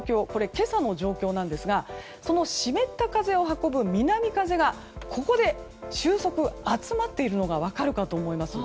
今朝の状況なんですが湿った風を運ぶ南風がここで収束して集まっているのが分かるかと思います。